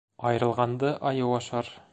Айырылғанды айыу ашар